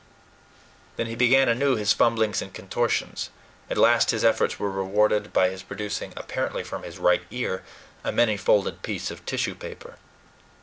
Then he began anew his fumblings and contortions. At last his efforts were rewarded by his producing, apparently from his right ear, a many folded piece of tissue paper.